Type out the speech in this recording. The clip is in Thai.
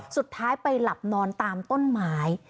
สุดท้ายไปหลับนอนตามต้นไม้